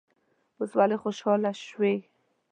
اوس ولې خوشاله شوې.